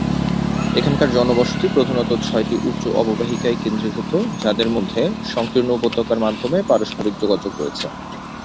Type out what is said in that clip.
এখানকার জনবসতি প্রধানত ছয়টি উচ্চ অববাহিকায় কেন্দ্রীভূত, যাদের মধ্যে সংকীর্ণ উপত্যকার মাধ্যমে পারস্পরিক যোগাযোগ রয়েছে।